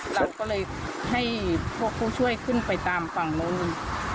เราก็เลยให้พวกผู้ช่วยขึ้นไปตามฝั่งนู้น